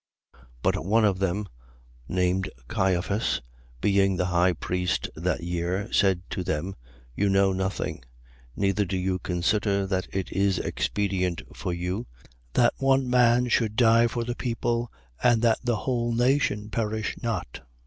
11:49. But one of them, named Caiphas, being the high priest that year, said to them: You know nothing. 11:50. Neither do you consider that it is expedient for you that one man should die for the people and that the whole nation perish not.